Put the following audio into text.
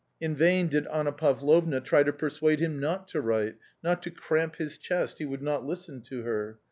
In vain did Anna Pavlovna try to persuade him not to write, " not to cramp his chest," he would not listen to her.